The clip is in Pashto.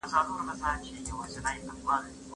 موږ د کورنۍ ټولنپوهنې ته اړتیا لرو.